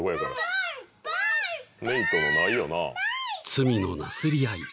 ［罪のなすり合い］